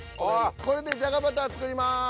これでじゃがバター作ります。